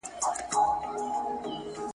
موږ باید تل زده کړه وکړو.